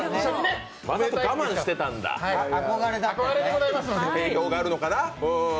我慢してたんだ、定評があるのかな。